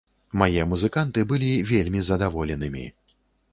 Мае музыканты былі вельмі задаволенымі.